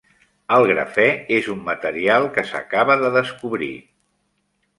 El grafè és un material que s'acaba de descobrir.